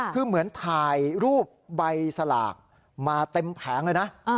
คือเหมือนถ่ายรูปใบสลากมาเต็มแผงเลยนะ